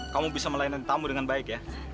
kamu bisa melayani tamu dengan baik ya